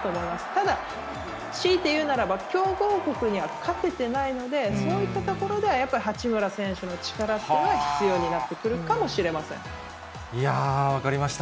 ただ、強いて言うならば、強豪国には勝ててないので、そういったところでは八村選手の力っていうのは必要になって分かりました。